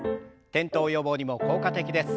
転倒予防にも効果的です。